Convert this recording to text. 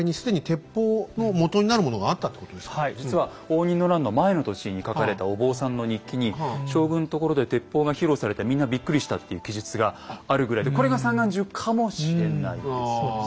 実は応仁の乱の前の年に書かれたお坊さんの日記に「将軍のところで鉄砲が披露されてみんなびっくりした」っていう記述があるぐらいでこれが三眼銃かもしれないですよね。